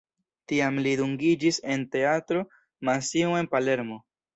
Tiam li dungiĝis en Teatro Massimo en Palermo.